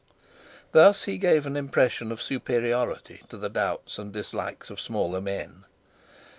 Thus he gave an impression of superiority to the doubts and dislikes of smaller men.